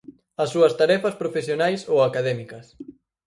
As súas tarefas profesionais ou académicas.